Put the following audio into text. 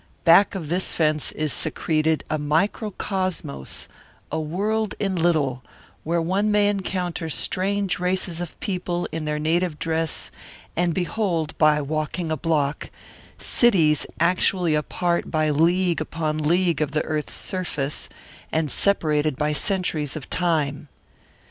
Back of this fence is secreted a microcosmos, a world in little, where one may encounter strange races of people in their native dress and behold, by walking a block, cities actually apart by league upon league of the earth's surface and separated by centuries of time.